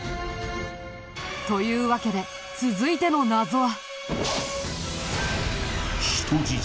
というわけで続いての謎は。